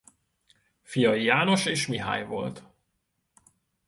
Fiai János és Mihály volt.